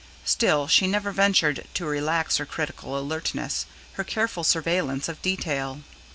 Still she never ventured to relax her critical alertness, her careful surveillance of detail.